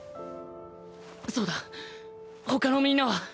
そうだ他のみんなは。